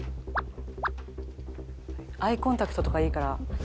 アイコンタクトとかいいから。